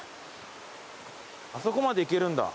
あそこまで行けるんだ。